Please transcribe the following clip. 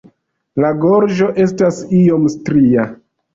La gorĝo estas iom stria.